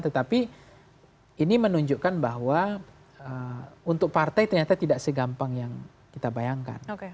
tetapi ini menunjukkan bahwa untuk partai ternyata tidak segampang yang kita bayangkan